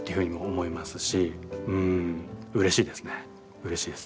うれしいです。